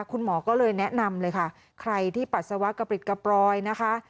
คุณหมอก็เลยแนะนำเลยค่ะใครที่ปัสสาวะกระปริดกระปรอยนะคะ